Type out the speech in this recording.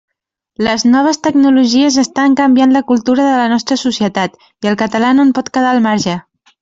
Les noves tecnologies estan canviant la cultura de la nostra societat i el català no en pot quedar al marge.